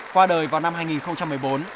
qua đời vào năm hai nghìn một mươi năm